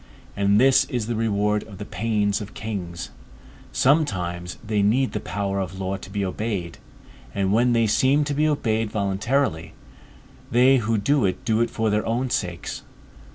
And this is the reward of the pains of kings; sometimes they need the power of law to be obeyed; and when they seem to be obeyed voluntarily, they who do it do it for their own sakes.